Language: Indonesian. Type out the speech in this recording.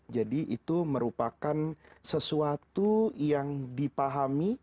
jadi itu merupakan sesuatu yang dipahami